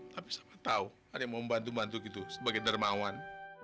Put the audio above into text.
tapi siapa tahu ada yang mau membantu bantu gitu sebagai dermawan